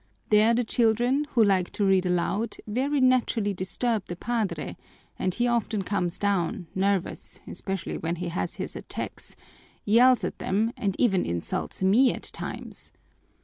There the children, who like to read aloud, very naturally disturb the padre, and he often comes down, nervous, especially when he has his attacks, yells at them, and even insults me at times.